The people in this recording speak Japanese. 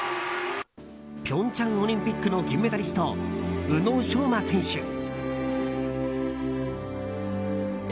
平昌オリンピックの銀メダリスト、宇野昌磨選手。